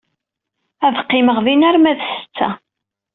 Ad qqimeɣ din arma d ssetta.